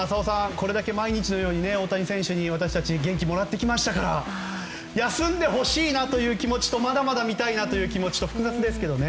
これだけ毎日のように大谷選手に私たちは元気をもらってきましたから休んでほしいなという気持ちとまだまだ見たいという気持ちと複雑ですけどね。